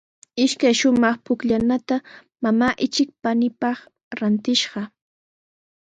Ishkay shumaq pukllanata mamaa ichik paniipaq rantishqa.